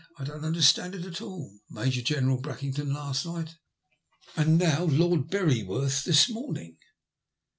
I don't understand it at all. Major General Brackington last night, and now Lord Beryworth this morning."